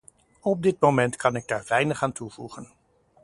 Op dit moment kan ik daar weinig aan toevoegen.